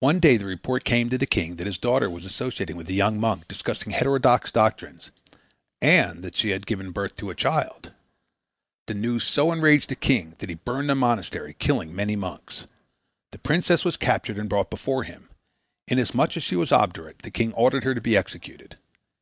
One day the report came to the king that his daughter was associating with a young monk discussing heterodox doctrines and that she had given birth to a child. This news so enraged the king that he burned the monastery, killing many monks. The princess was captured and brought before him. Inasmuch as she was obdurate, the king ordered her to be executed.